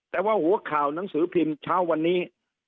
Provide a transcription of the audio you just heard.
แต่ว่าหัวข่าวหนังสือพิมพ์เช้าวันนี้